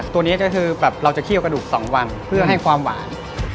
ตัวนี้ก็คือแบบเราจะเคี่ยวกระดูก๒วันเพื่อให้ความหวาน